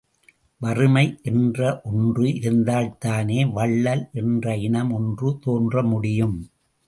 வறுமை என்ற ஒன்று இருந்தால்தானே வள்ளல் என்ற இனம் ஒன்று தோன்றமுடியும்.